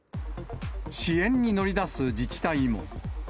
支援に乗り出す自治体も。